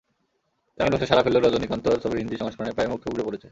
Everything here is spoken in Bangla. তামিল ভাষায় সাড়া ফেললেও রজনীকান্তর ছবি হিন্দি সংস্করণে প্রায় মুখ থুবড়ে পড়েছে।